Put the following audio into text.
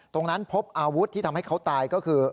ตรงนั้นพบอาวุธที่ทำให้เขาตายก็คือ